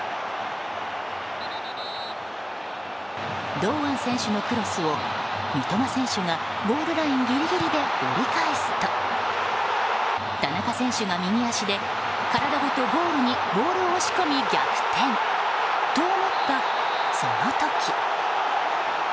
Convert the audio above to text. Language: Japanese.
堂安選手のクロスを三笘選手がゴールラインギリギリで折り返すと田中選手が右足で体ごとゴールにボールを押し込み逆転と思ったその時。